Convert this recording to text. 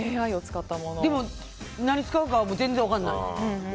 でも何使うかは全然分からないです。